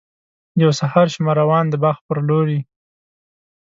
یو سهار شومه روان د باغ پر لوري.